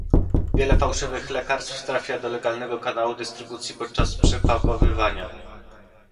Wiele fałszywych lekarstw trafia do legalnego kanału dystrybucji podczas przepakowywania